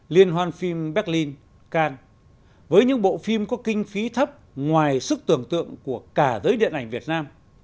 liên hoan phim berlin kan với những bộ phim có kinh phí thấp ngoài sức tưởng tượng của cả giới điện ảnh việt nam